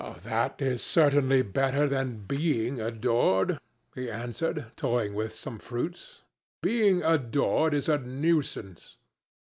"That is certainly better than being adored," he answered, toying with some fruits. "Being adored is a nuisance.